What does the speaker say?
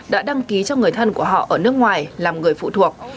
đã đăng ký cho người thân của họ ở nước ngoài làm người phụ thuộc